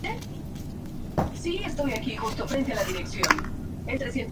La región estaba surcada por innumerables caminos y senderos ocultos.